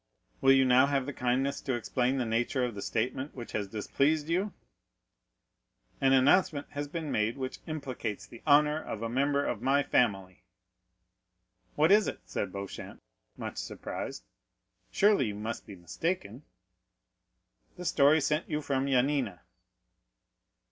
"Will you now have the kindness to explain the nature of the statement which has displeased you?" "An announcement has been made which implicates the honor of a member of my family." "What is it?" said Beauchamp, much surprised; "surely you must be mistaken." "The story sent you from Yanina."